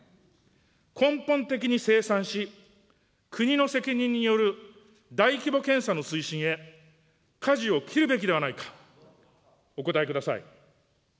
根本的に清算し、国の責任による大規模検査の推進へ、かじを切るべきではないか、お答えください。